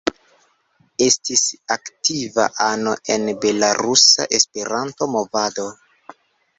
Estis aktiva ano en belarusa Esperanto-movado.